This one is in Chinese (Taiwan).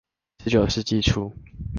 十九世紀初